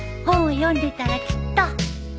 本を読んでたらきっと。